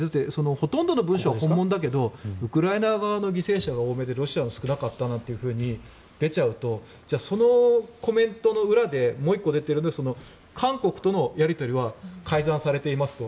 ほとんどの文書は本物だけどウクライナ側の犠牲者が多めでロシアは少なかったというのが出ちゃうとじゃあ、そのコメントの裏でもう１個出ている韓国とのやり取りは改ざんされていますと。